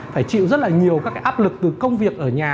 phải chịu rất là nhiều các cái áp lực từ công việc ở nhà